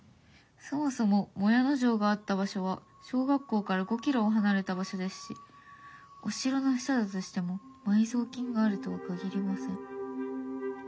そもそも靄野城があった場所は小学校から５キロ離れた場所ですしお城の下だとしても埋蔵金があるとは限りません」。